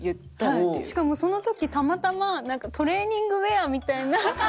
しかもその時たまたまトレーニングウェアみたいな。